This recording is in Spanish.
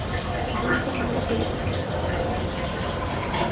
Brunson ganó la pelea por decisión unánime.